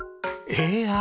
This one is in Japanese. ＡＩ？